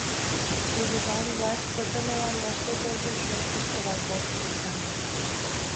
Кугыжан власть пытымылан вашке тылзе шуэш, — кычкырал колтыш Эчан.